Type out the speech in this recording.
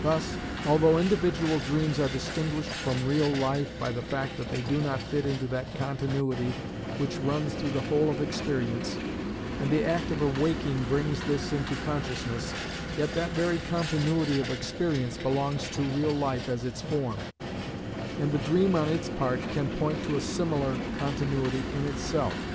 Thus although individual dreams are distinguished from real life by the fact that they do not fit into that continuity which runs through the whole of experience, and the act of awaking brings this into consciousness, yet that very continuity of experience belongs to real life as its form, and the dream on its part can point to a similar continuity in itself.